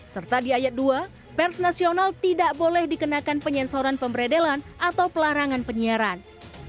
serta di ayat dua pers nasional tidak boleh dikenakan penyensoran pemberedelan atau pelarangan penyiaran